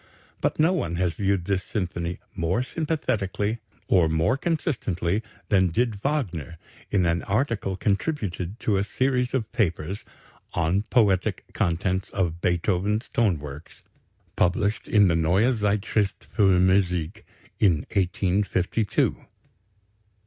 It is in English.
But no one has viewed this symphony more sympathetically or more consistently than did Wagner in an article contributed to a series of papers "On the poetic contents of Beethoven's tone works," published in the Neue Zeitschrift für Musik, in 1852.